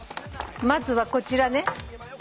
まずはこちらね。